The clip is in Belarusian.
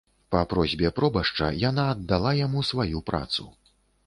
Па просьбе пробашча яна аддала яму сваю працу.